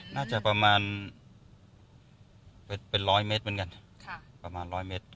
หน้าจะประมาณ๑๐๐เมตรเหมือนกัน